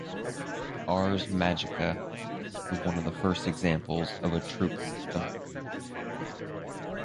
"Ars Magica" was one of the first examples of a Troupe system.